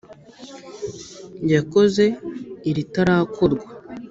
yakoze iritarakorwa